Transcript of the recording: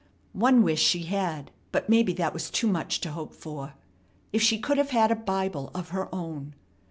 One wish she had, but maybe that was too much to hope for. If she could have had a Bible of her own!